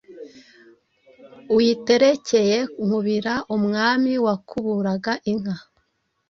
Uyiterekeye Nkubira, Umwami wakuburaga inka